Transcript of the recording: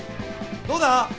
どうだ？